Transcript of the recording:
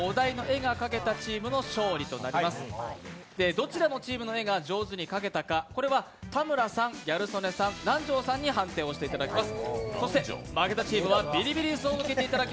どちらのチームの絵が上手に描けたか田村さん、ギャル曽根さん、南條さんに判定していただきます。